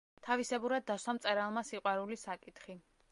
თავისებურად დასვა მწერალმა სიყვარულის საკითხი.